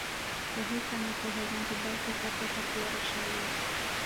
په هېڅ نه پوهېږم چې دلته څه پېښه تېره شوې.